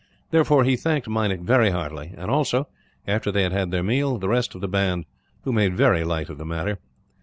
Therefore he thanked Meinik very heartily; and also, after they had had their meal, the rest of the band, who made very light of the matter.